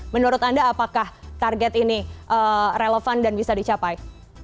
menurut anda apakah target ini relevan dan bisa dicapai